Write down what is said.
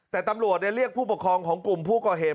แต่ตำรวจเรียกผู้ปกครองของกลุ่มผู้ก่อเหตุ